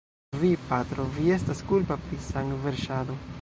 Vi, patro, vi estas kulpa pri sangverŝado!